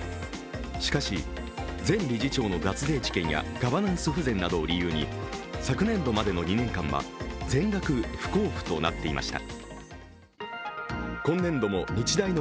しかし、前理事長の脱税事件やガバナンス不全などを理由に昨年度までの２年間は全額不交付となっていました。